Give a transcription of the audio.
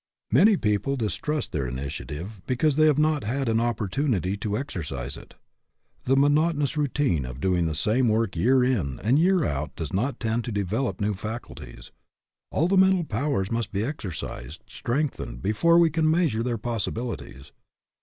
Many people distrust their initiative because they have not had an opportunity to exercise it. The monotonous routine of doing the same work year in and year out does not tend to develop new faculties. All the mental powers must be exercised, strengthened, before we can measure their possibilities.